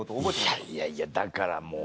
いやいやいやだからもう。